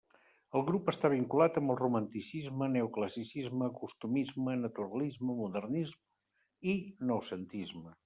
El grup està vinculat amb el Romanticisme, Neoclassicisme, Costumisme, Naturalisme, Modernisme i Noucentisme.